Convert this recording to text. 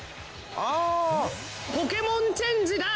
ポケモンチェンジだ！